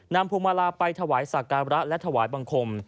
พวงมาลาไปถวายสักการะและถวายบังคม